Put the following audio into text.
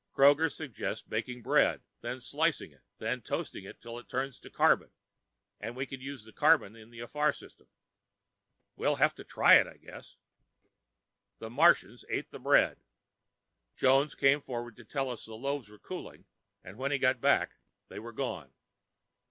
Kroger suggests baking bread, then slicing it, then toasting it till it turns to carbon, and we can use the carbon in the AFAR system. We'll have to try it, I guess. The Martians ate the bread. Jones came forward to tell us the loaves were cooling, and when he got back they were gone.